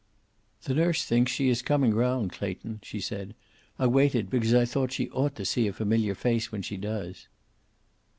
"The nurse thinks she is coming round, Clayton," she said. "I waited, because I thought she ought to see a familiar face when she does."